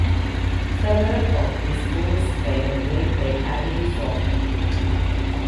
Several of these ports were made by Atarisoft.